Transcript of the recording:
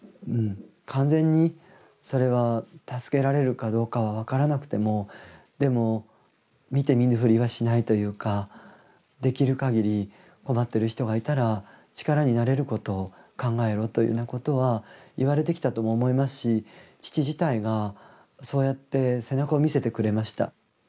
完全にそれは助けられるかどうかは分からなくてもでも見て見ぬふりはしないというかできるかぎり困ってる人がいたら力になれることを考えろというようなことは言われてきたとも思いますし父自体がそうやって背中を見せてくれました。